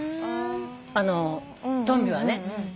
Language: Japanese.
あのトンビはね。